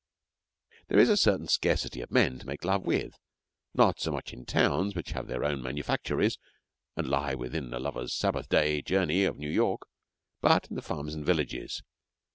There is a certain scarcity of men to make love with; not so much in towns which have their own manufactories and lie within a lover's Sabbath day journey of New York, but in the farms and villages.